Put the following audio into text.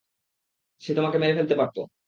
সে তোমাকে মেরে ফেলতে পারত।